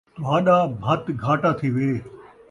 تہاݙا بھت گھاٹا تھیوے